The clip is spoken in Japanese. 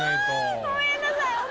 あごめんなさい。